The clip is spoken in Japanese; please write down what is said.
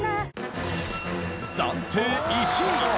暫定１位！